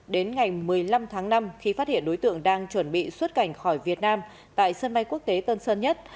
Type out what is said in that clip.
đến ngày một mươi năm tháng năm khi phát hiện đối tượng đang chuẩn bị xuất cảnh khỏi việt nam tại sân bay quốc tế tân sơn nhất